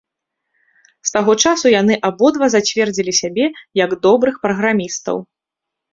З таго часу, яны абодва зацвердзілі сябе як добрых праграмістаў.